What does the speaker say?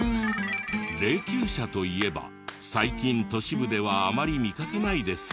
霊柩車といえば最近都市部ではあまり見かけないですよね。